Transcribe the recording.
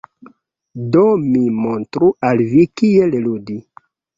Do mi montru al vi kiel ludi.